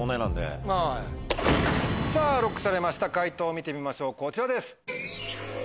さぁＬＯＣＫされました解答見てみましょうこちらです。